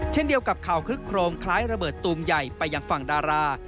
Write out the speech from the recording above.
เช่นเดียวกับข่าวคึกโครมคล้ายระเบิดตูมใหญ่ไปยังฝั่งดารา